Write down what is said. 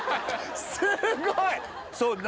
すごい！